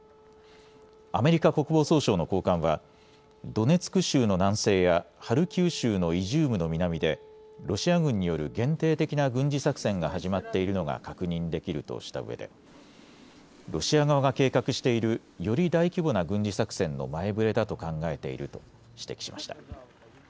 アメリカ国防総省の高官はドネツク州の南西やハルキウ州のイジュームの南でロシア軍による限定的な軍事作戦が始まっているのが確認できるとしたうえでロシア側が計画している、より大規模な軍事作戦の前触れだと考えていると指摘しました。